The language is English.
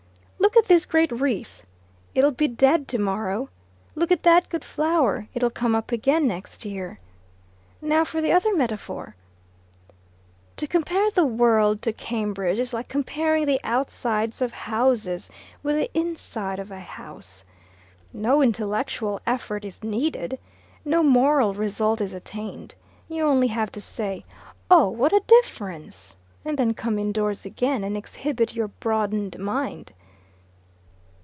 Look at this great wreath: it'll be dead tomorrow. Look at that good flower: it'll come up again next year. Now for the other metaphor. To compare the world to Cambridge is like comparing the outsides of houses with the inside of a house. No intellectual effort is needed, no moral result is attained. You only have to say, 'Oh, what a difference!' and then come indoors again and exhibit your broadened mind."